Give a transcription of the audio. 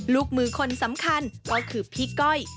ลูกมือคนสำคัญก็คือพี่ก้อย